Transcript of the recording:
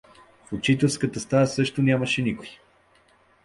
В учителската стая също няма никой.